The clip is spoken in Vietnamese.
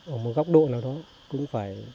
ở một góc độ nào đó cũng phải